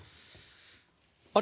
あれ？